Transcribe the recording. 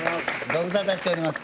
御無沙汰しております。